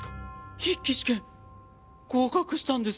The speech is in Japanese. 筆記試験合格したんです。